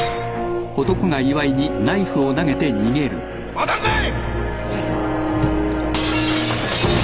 待たんかい！